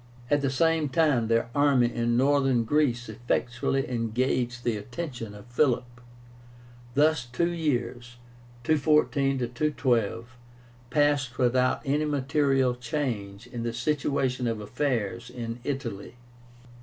At the same time their army in Northern Greece effectually engaged the attention of Philip. Thus two years (214 212) passed without any material change in the situation of affairs in Italy.